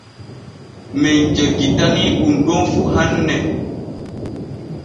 Men jeggitanii ɗun ɗon fu hanne.